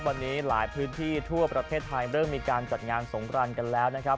วันนี้หลายพื้นที่ทั่วประเทศไทยเริ่มมีการจัดงานสงครานกันแล้วนะครับ